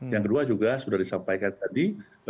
yang kedua juga sudah disampaikan tadi